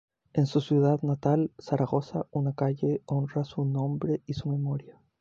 En su ciudad natal, Zaragoza, una calle honra su nombre y su memoria.